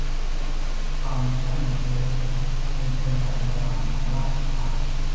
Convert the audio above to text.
ฟังก์ชันฮิวริสติกเป็นเพียงการประมาณความล่าช้า